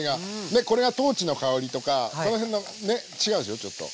ねこれが豆の香りとかこの辺のね違うでしょうちょっと。